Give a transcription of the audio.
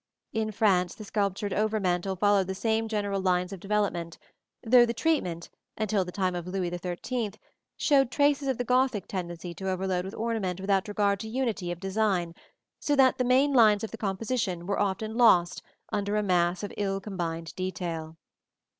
In France the sculptured over mantel followed the same general lines of development, though the treatment, until the time of Louis XIII, showed traces of the Gothic tendency to overload with ornament without regard to unity of design, so that the main lines of the composition were often lost under a mass of ill combined detail.